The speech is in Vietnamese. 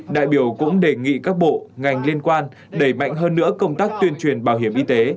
đại biểu cũng đề nghị các bộ ngành liên quan đẩy mạnh hơn nữa công tác tuyên truyền bảo hiểm y tế